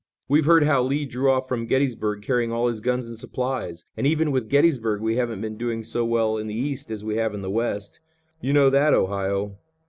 We've heard how Lee drew off from Gettysburg carrying all his guns and supplies, and even with Gettysburg we haven't been doing so well in the East as we have in the West. You know that, Ohio?"